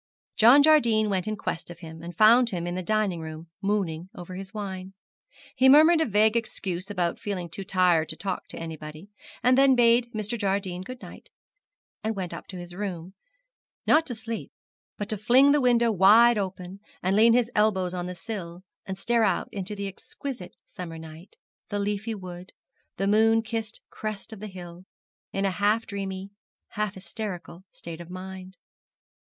John Jardine went in quest of him, and found him in the dining room, mooning over his wine. He murmured a vague excuse about feeling too tired to talk to anybody, and then bade Mr. Jardine good night, and went up to his room; not to sleep, but to fling the window wide open, and lean his elbows on the sill, and stare out into the exquisite summer night, the leafy wood, the moon kissed crest of the hill, in a half dreamy, half hysterical state of mind.